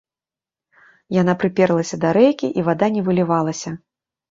Яна прыперлася да рэйкі, і вада не вылівалася.